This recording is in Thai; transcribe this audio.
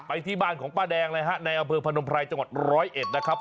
ไปที่บ้านของป้าแดงเลยฮะในอำเภอพนมไพรจังหวัดร้อยเอ็ดนะครับ